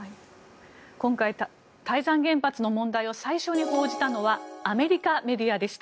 今回、台山原発の問題を最初に報じたのはアメリカメディアでした。